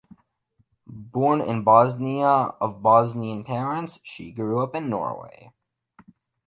Born in Bosnia of Bosnian parents, she grew up in Norway.